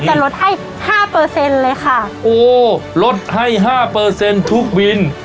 จะลดให้ห้าเปอร์เซ็นต์เลยค่ะโอ้ลดให้ห้าเปอร์เซ็นต์ทุกวิน